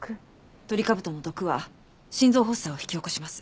トリカブトの毒は心臓発作を引き起こします。